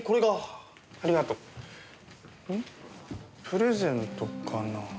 プレゼントかな？